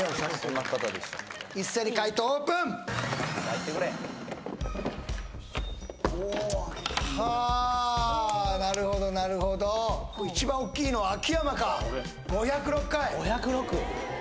一斉に解答オープンはなるほどなるほど一番おっきいのは秋山か５０６回５０６？